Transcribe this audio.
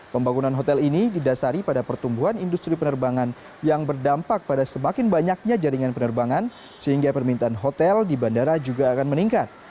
pembangunan hotel ini didasari pada pertumbuhan industri penerbangan yang berdampak pada semakin banyaknya jaringan penerbangan sehingga permintaan hotel di bandara juga akan meningkat